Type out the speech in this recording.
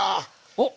おっ！